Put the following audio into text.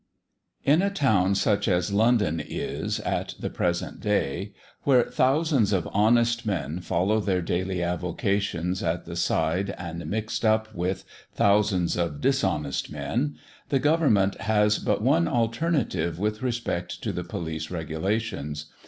In a town such as London is at the present day, where thousands of honest men follow their daily avocations at the side and mixed up with thousands of dishonest men, the Government has but one alternative with respect to the police regulations.